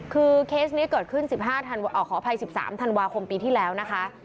คือเคสนี้เกิดขึ้น๑๕ขออภัย๑๓ธันวาคมปีที่แล้วนะคะ